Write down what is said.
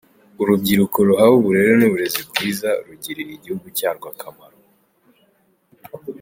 Urubyiruko ruhawe uburere n’uburezi bwiza rugirira igihugu cyarwo akamaro.